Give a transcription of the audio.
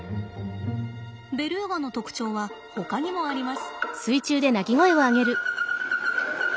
ベルーガの特徴はほかにもあります。